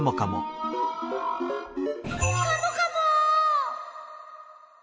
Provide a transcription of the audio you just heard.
カモカモ！